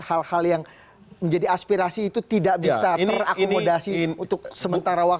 hal hal yang menjadi aspirasi itu tidak bisa terakomodasi untuk sementara waktu